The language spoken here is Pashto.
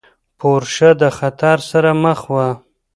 پورشه د خطر سره مخ وه.